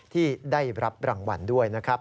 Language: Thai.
ที่ได้รับรางวัลด้วยนะครับ